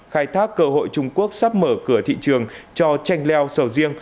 khai thác cơ hội trung quốc sắp mở cửa thị trường cho chanh leo sầu riêng